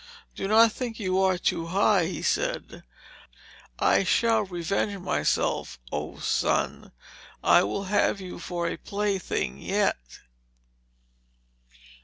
"Do not think you are too high," said he; "I shall revenge myself. Oh, sun! I will have you for a plaything yet."